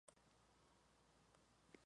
Fue el inicio de la República romana.